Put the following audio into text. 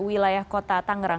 di wilayah kota tanggerang